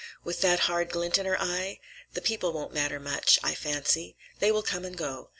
"With that hard glint in her eye? The people won't matter much, I fancy. They will come and go.